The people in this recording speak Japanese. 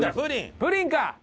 プリンか！